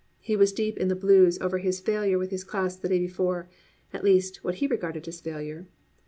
He was deep in the blues, over his failure with his class the day before—at least, what he regarded as failure.